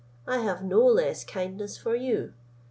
I have no less kindness for you.